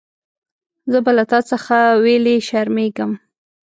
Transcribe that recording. زه به له تا څخه ویلي شرمېږم.